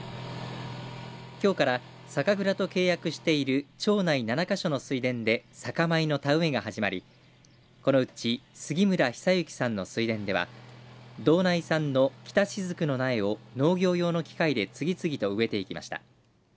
きょうから酒蔵と契約している町内７か所の水田で酒米の田植えが始まりこのうち杉村久幸さんの水田では道内産のきたしずくの苗を農業用の機械で次々と植えていきました。